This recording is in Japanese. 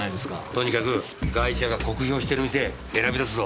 とにかくガイシャが酷評してる店選び出すぞ。